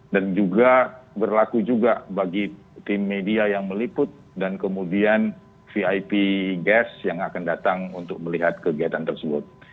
dan juga berlaku juga bagi tim media yang meliput dan kemudian vip guests yang akan datang untuk melihat kegiatan tersebut